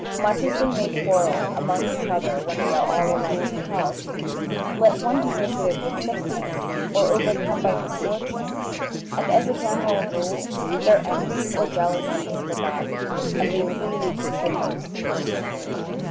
Much as they may quarrel among each other when all are alike in health, let one be visited with sickness, or overcome by misfortune, and, as a general rule, their envy or jealousy is forgotten, and they freely contribute to her support.